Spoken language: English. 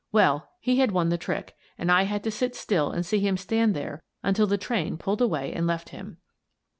Well, he had won the trick, and I had to sit still and see him stand there until the train pulled away and left him.